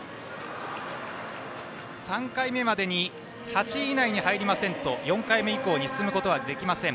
３回目までに８位以内に入りませんと４回目以降に進むことはできません。